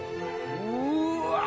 うわ！